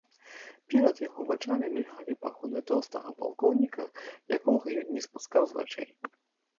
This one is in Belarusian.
Перад яго вачамі мільгалі пагоны тоўстага палкоўніка, якога ён не спускаў з вачэй.